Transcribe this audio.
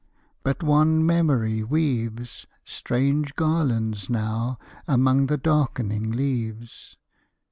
But wan memory weaves Strange garlands now amongst the darkening leaves.